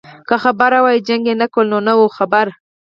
که خبر وای جګړه يې نه کول، نو نه وو خبر.